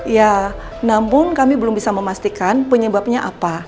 ya namun kami belum bisa memastikan penyebabnya apa